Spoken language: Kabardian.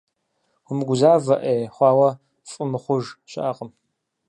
Умыгузавэ, ӏей хъуауэ фӏы мыхъуж щыӏэкъым.